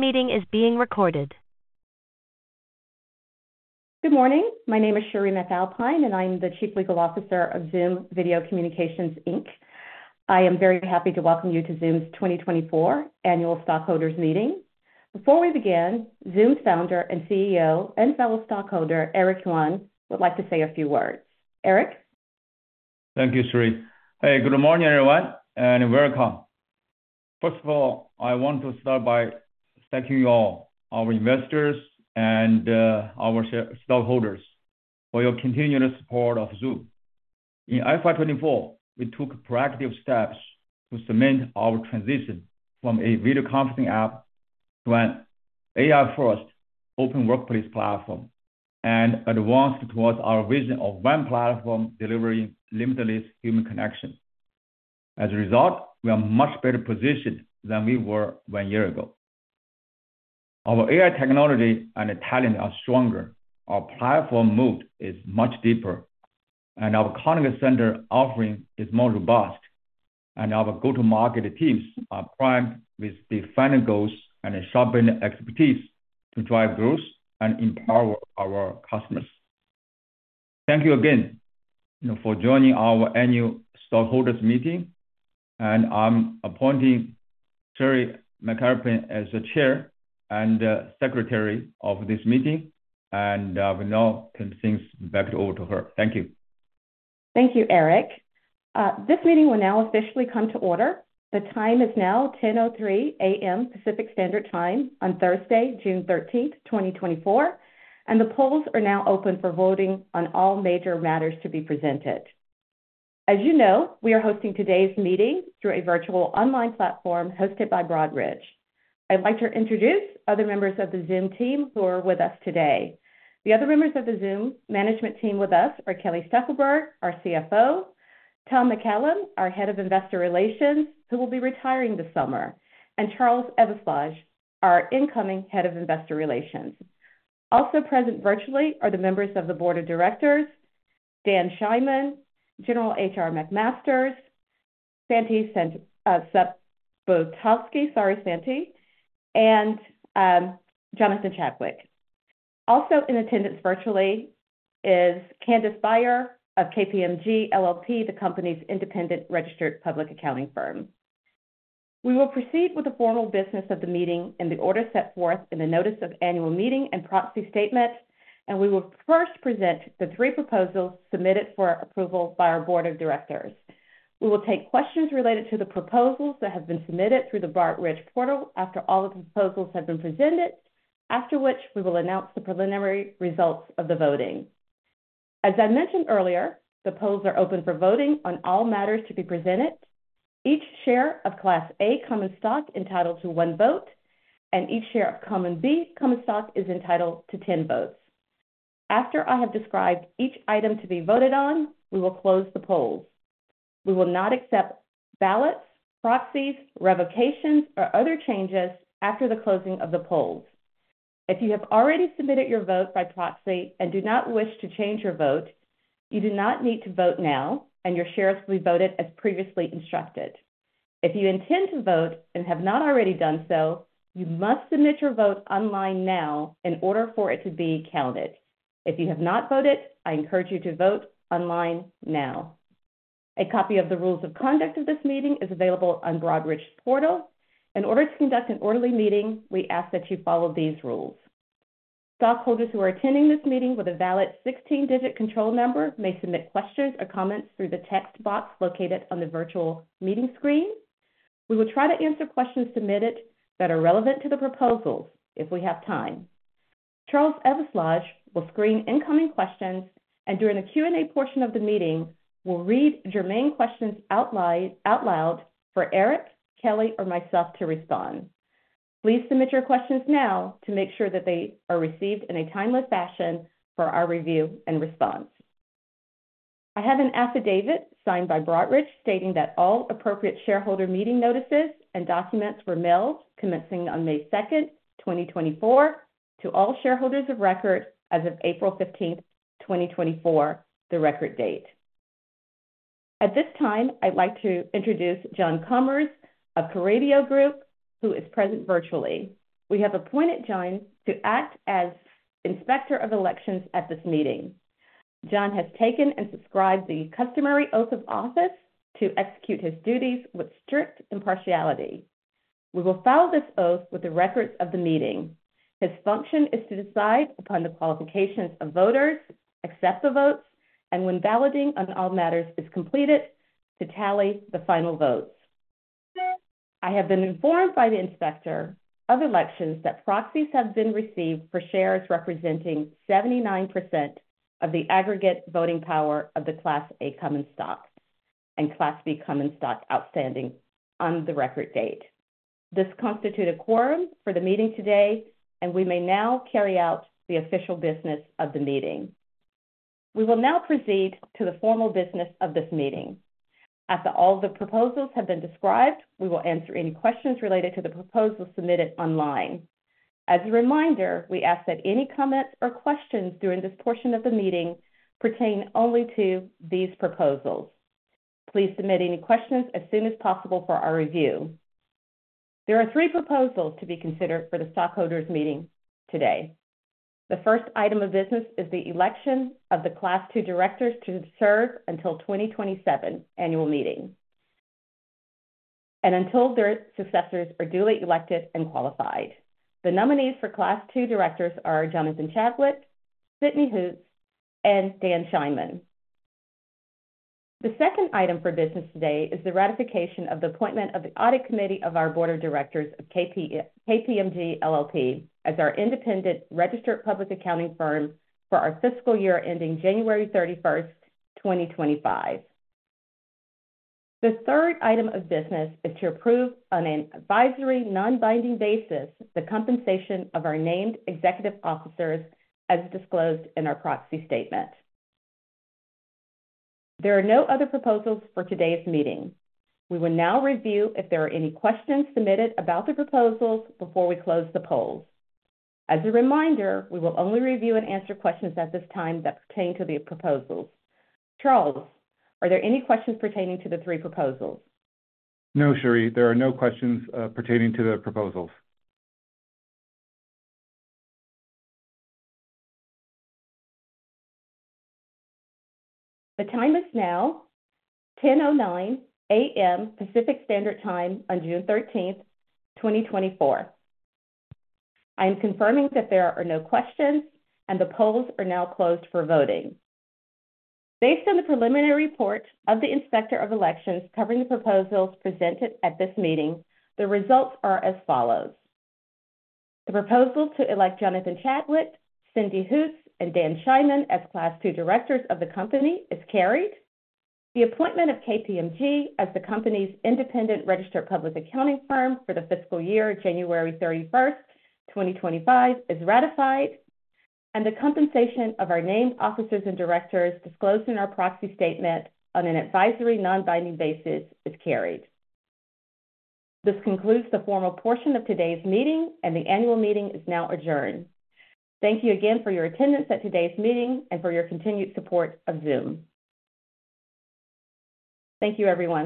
Good morning. My name is Cheree McAlpine, and I'm the Chief Legal Officer of Zoom Video Communications, Inc. I am very happy to welcome you to Zoom's 2024 Annual Stockholders Meeting. Before we begin, Zoom's Founder and CEO, and fellow stockholder, Eric Yuan, would like to say a few words. Eric? Thank you, Cheree. Hey, good morning, everyone, and welcome. First of all, I want to start by thanking you all, our investors and our stockholders, for your continuous support of Zoom. In FY 2024, we took proactive steps to cement our transition from a video conferencing app to an AI-first open workplace platform and advanced towards our vision of one platform delivering limitless human connection. As a result, we are much better positioned than we were one year ago. Our AI technology and talent are stronger, our platform moat is much deeper, and our contact center offering is more robust, and our go-to-market teams are primed with defined goals and sharpened expertise to drive growth and empower our customers. Thank you again, you know, for joining our Annual Stockholders Meeting, and I'm appointing Cheree McAlpine as the chair and secretary of this meeting, and we now turn things back over to her. Thank you. Thank you, Eric. This meeting will now officially come to order. The time is now 10:03 A.M., Pacific Standard Time on Thursday, June 13th, 2024, and the polls are now open for voting on all major matters to be presented. As you know, we are hosting today's meeting through a virtual online platform hosted by Broadridge. I'd like to introduce other members of the Zoom team who are with us today. The other members of the Zoom management team with us are Kelly Steckelberg, our CFO, Tom McCallum, our Head of Investor Relations, who will be retiring this summer, and Charles Eveslage, our incoming Head of Investor Relations. Also present virtually are the members of the Board of Directors, Dan Scheinman, General H.R. McMaster, Santi Subotovsky, sorry, Santi, and Jonathan Chadwick. Also in attendance virtually is Candace Beyer of KPMG LLP, the company's independent registered public accounting firm. We will proceed with the formal business of the meeting in the order set forth in the notice of annual meeting and proxy statement, and we will first present the three proposals submitted for approval by our Board of Directors. We will take questions related to the proposals that have been submitted through the Broadridge portal after all the proposals have been presented, after which we will announce the preliminary results of the voting. As I mentioned earlier, the polls are open for voting on all matters to be presented. Each share of Class A Common Stock is entitled to one vote, and each share of Class B Common Stock is entitled to 10 votes. After I have described each item to be voted on, we will close the polls. We will not accept ballots, proxies, revocations, or other changes after the closing of the polls. If you have already submitted your vote by proxy and do not wish to change your vote, you do not need to vote now, and your share will be voted as previously instructed. If you intend to vote and have not already done so, you must submit your vote online now in order for it to be counted. If you have not voted, I encourage you to vote online now. A copy of the rules of conduct of this meeting is available on Broadridge's portal. In order to conduct an orderly meeting, we ask that you follow these rules. Stockholders who are attending this meeting with a valid 16-digit control number may submit questions or comments through the text box located on the virtual meeting screen. We will try to answer questions submitted that are relevant to the proposals if we have time. Charles Eveslage will screen incoming questions and during the Q&A portion of the meeting, we'll read germane questions out loud for Eric, Kelly, or myself to respond. Please submit your questions now to make sure that they are received in a timely fashion for our review and response. I have an affidavit signed by Broadridge stating that all appropriate shareholder meeting notices and documents were mailed commencing on May 2nd, 2024, to all shareholders of record as of April 15th, 2024, the record date. At this time, I'd like to introduce John Comer of The Carideo Group, who is present virtually. We have appointed John to act as Inspector of Elections at this meeting. John has taken and subscribed the customary oath of office to execute his duties with strict impartiality. We will file this oath with the records of the meeting. His function is to decide upon the qualifications of voters, accept the votes, and when balloting on all matters is completed, to tally the final votes. I have been informed by the Inspector of Elections that proxies have been received for shares representing 79% of the aggregate voting power of the Class A Common Stock and Class B Common Stock outstanding on the Record Date. This constitutes a quorum for the meeting today, and we may now carry out the official business of the meeting. We will now proceed to the formal business of this meeting. After all the proposals have been described, we will answer any questions related to the proposals submitted online. As a reminder, we ask that any comments or questions during this portion of the meeting pertain only to these proposals. Please submit any questions as soon as possible for our review. There are three proposals to be considered for the stockholders meeting today. The first item of business is the election of the Class II directors to serve until 2027 annual meeting, and until their successors are duly elected and qualified. The nominees for Class II directors are Jonathan Chadwick, Cindy Hoots, and Dan Scheinman. The second item for business today is the ratification of the appointment of the audit committee of our board of directors of KPMG LLP, as our independent registered public accounting firm for our fiscal year ending January 31st, 2025. The third item of business is to approve on an advisory, non-binding basis, the compensation of our named executive officers as disclosed in our proxy statement. There are no other proposals for today's meeting. We will now review if there are any questions submitted about the proposals before we close the polls. As a reminder, we will only review and answer questions at this time that pertain to the proposals. Charles, are there any questions pertaining to the three proposals? No, Cheree, there are no questions pertaining to the proposals. The time is now 10:09 A.M. Pacific Standard Time on June 13, 2024. I am confirming that there are no questions, and the polls are now closed for voting. Based on the preliminary report of the Inspector of Elections covering the proposals presented at this meeting, the results are as follows: The proposal to elect Jonathan Chadwick, Cindy Hoots, and Dan Scheinman as Class II directors of the company is carried. The appointment of KPMG as the company's independent registered public accounting firm for the fiscal year, January 31, 2025, is ratified, and the compensation of our named officers and directors disclosed in our proxy statement on an advisory, non-binding basis is carried. This concludes the formal portion of today's meeting, and the annual meeting is now adjourned. Thank you again for your attendance at today's meeting and for your continued support of Zoom. Thank you, everyone.